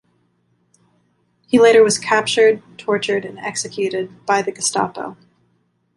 He later was captured, tortured, and executed by the Gestapo.